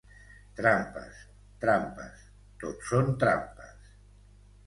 “Trampes, trampes, tot són trampes”